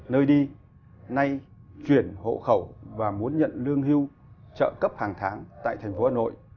nơi đi nay chuyển hộ khẩu và muốn nhận lương hưu trợ cấp hàng tháng tại thành phố hà nội